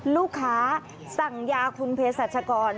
ลูกค้าสั่งยาคุณเพชรศัตริกร